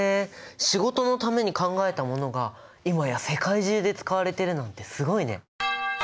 仕事のために考えたものが今や世界中で使われてるなんてすごいね！